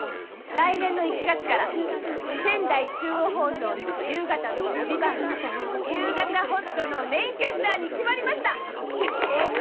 来年の１月から仙台中央放送の夕方の帯番組「夕方ほっと」のメインキャスターに決まりました！